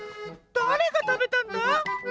だれがたべたんだ？